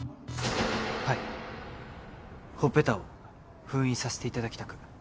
はいほっぺたを封印させていただきたく